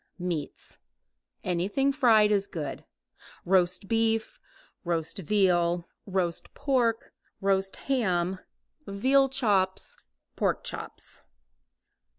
Meats. Anything fried is good. Roast beef, roast veal, roast pork, roast ham, veal chops, pork chops.